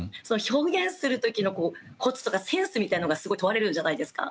表現する時のコツとかセンスみたいのがすごい問われるんじゃないですか。